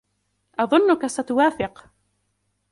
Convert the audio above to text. أظنك ستوافق.